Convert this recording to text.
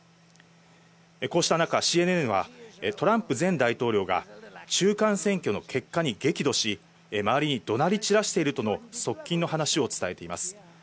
こうした中、ＣＮＮはトランプ前大統領が中間選挙の結果に激怒し、周りに怒鳴り散らしているとの側近の話を伝えています。